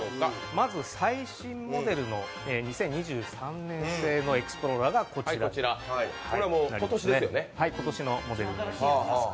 まず最新モデルの２０２３年製のエクスプローラーがこちらです、今年のモデルとなっています。